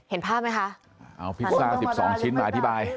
เอาพิซซ่า๑๒ชิ้นมาอธิบาย